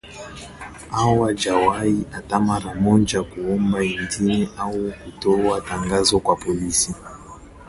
Hawajawahi hata mara moja kuomba idhini au kutoa tangazo kwa polisi